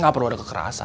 gak perlu ada kekerasan